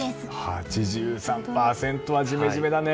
８３％はジメジメだね。